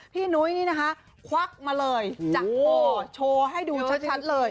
นุ้ยนี่นะคะควักมาเลยจ้ะโอ้โชว์ให้ดูชัดเลย